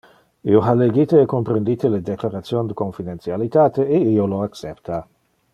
Io ha legite e comprendite le declaration de confidentialitate e io lo accepta.